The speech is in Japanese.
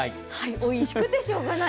おいしくてしようがない。